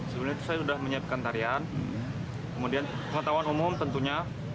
sebelumnya saya sudah menyiapkan tarian kemudian pengetahuan umum tentunya